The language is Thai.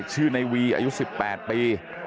ชื่อในวีอายุ๑๘ปี